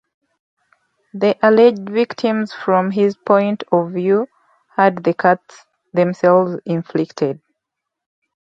The alleged victim from his point of view had the cuts themselves inflicted.